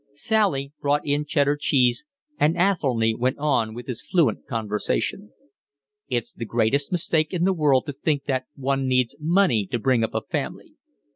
Sally brought in Cheddar cheese, and Athelny went on with his fluent conversation. "It's the greatest mistake in the world to think that one needs money to bring up a family.